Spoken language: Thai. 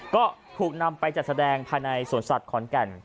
ก็ถูกนำไปจัดแสดงภายในสวนสัตว์ขอนแก่น